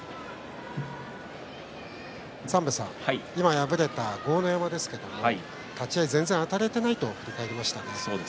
敗れた豪ノ山ですけれども立ち合い全然あたれていないと振り返りました。